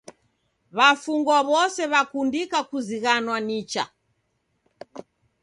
W'afungwa w'ose w'akundika kuzighanwa nicha.